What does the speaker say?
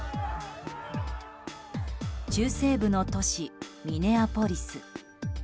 中西部の都市ミネアポリス。